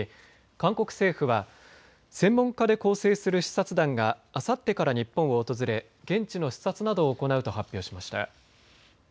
韓国政府は専門家で構成する視察団があさってから日本を訪れ現地の視察などを行うと発表しました。